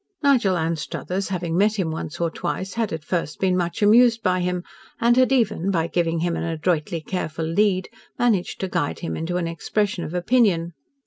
Nigel Anstruthers, having met him once or twice, had at first been much amused by him, and had even, by giving him an adroitly careful lead, managed to guide him into an expression of opinion.